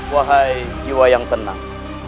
wahai jiwa yang tenang